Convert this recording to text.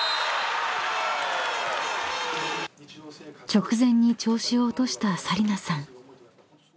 ［直前に調子を落とした紗理那さん］